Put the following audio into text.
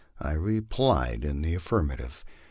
I replied in the affirmative.